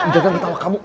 jangan ketawa kamu